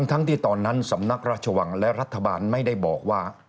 ทั้งที่ตอนนั้นสำนักราชวังและรัฐบาลไม่ได้บอกว่า